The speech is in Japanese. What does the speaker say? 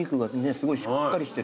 すごいしっかりしてる。